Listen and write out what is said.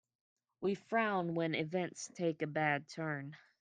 We frown when events take a bad turn.